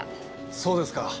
そうですか。